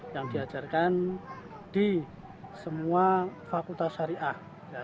yang diajarkan di semua fakultas syariah